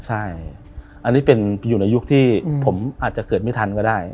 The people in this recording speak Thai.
ใช่อันนี้เป็นอยู่ในยุคที่ผมอาจจะเกิดไม่ทันก็ได้